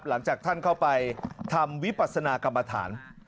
หลังจากท่านเข้าไปทำวิปัสนากรรมฐาน